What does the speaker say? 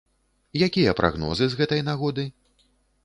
Якія прагнозы з гэтай нагоды?